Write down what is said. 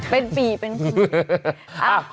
เป็นปีเป็นขุย